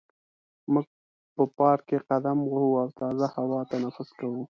موږ په پارک کې قدم وهو او تازه هوا تنفس کوو.